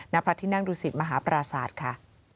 ณพระที่นั่งดูสิตมหาปราศาสตร์ค่ะ